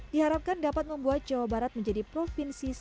diharapkan dapat membuat jawa barat menjadi provinsi yang lebih baik